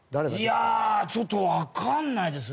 いやちょっとわかんないですね。